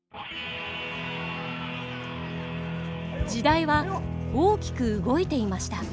時代は大きく動いていました。